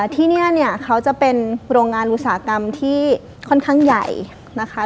ที่นี่เนี่ยเขาจะเป็นโรงงานอุตสาหกรรมที่ค่อนข้างใหญ่นะคะ